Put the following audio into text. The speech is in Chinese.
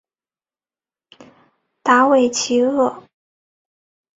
达韦齐厄。